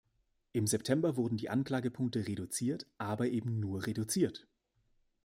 Im September wurden die Anklagepunkte reduziert, aber eben nur reduziert.